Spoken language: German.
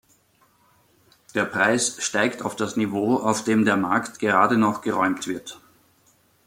Der Preis steigt auf das Niveau, auf dem der Markt gerade noch geräumt wird.